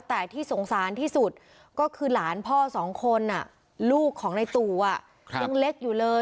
แต่ที่สงสารที่สุดก็คือหลานพ่อสองคนลูกของในตู่ยังเล็กอยู่เลย